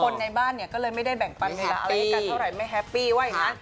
คนในบ้านเนี่ยก็เลยไม่ได้แบ่งปันเวลาอะไรให้กันเท่าไหร่ไม่แฮปปี้ไว้นะ